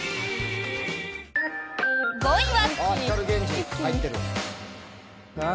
５位は。